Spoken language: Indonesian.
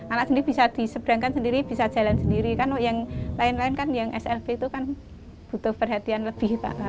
anak sendiri bisa diseberangkan sendiri bisa jalan sendiri kan yang lain lain kan yang slb itu kan butuh perhatian lebih pak